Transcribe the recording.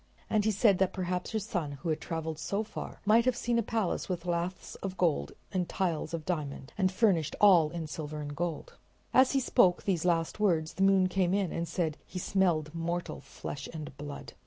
And he said that perhaps her son, who traveled so far, might have seen a palace with laths of gold and tiles of diamond and furnished all in silver and gold. As he spoke these last words the moon came in and said he smelled mortal flesh and blood.